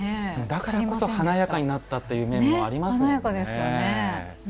だからこそ華やかになったという面もありますよね。